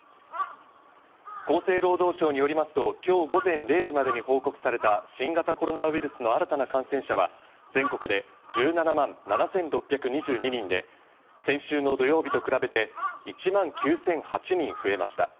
厚生労働省によりますと、きょう午前０時までに報告された新型コロナウイルスの新たな感染者は、全国で１７万７６２２人で、先週の土曜日と比べて、１万９００８人増えました。